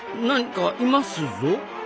何かいますぞ。